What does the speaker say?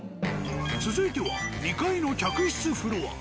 続いては２階の客室フロア。